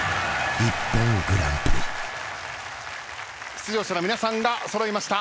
出場者の皆さんが揃いました。